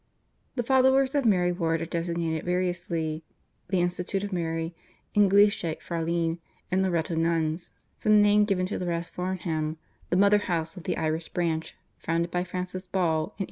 The followers of Mary Ward are designated variously, the Institute of Mary, Englische Fraulein, and Loreto Nuns from the name given to Rathfarnham, the mother house of the Irish branch, founded by Frances Ball in 1821.